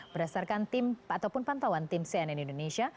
berdasarkan tim ataupun pantauan tim cnn indonesia